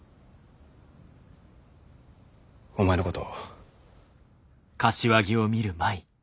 お前のこと。